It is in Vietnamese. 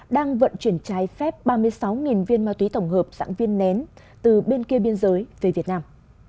đang vận chuyển trái phép ba mươi sáu viên ma túy tổng hợp dạng viên nén từ bên kia biên giới về việt nam